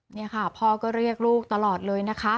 นี่ค่ะพ่อก็เรียกลูกตลอดเลยนะคะ